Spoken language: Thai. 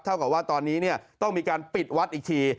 เท่ากับว่าตอนนี้เนี่ยต้องมีการปิดวัดอีกที